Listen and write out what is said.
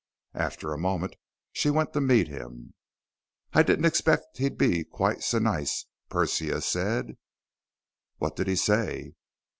After a moment, she went to meet him. "I didn't expect he'd be quite so ... nice," Persia said. "What did he say?"